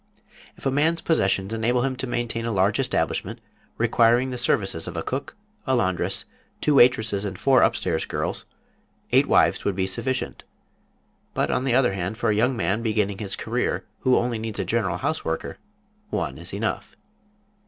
If a man's possessions enable him to maintain a large establishment requiring the services of a cook, a laundress, two waitresses and four upstairs girls, eight wives would be sufficient; but on the other hand, for a young man beginning his career who needs only a general house worker, one is enough.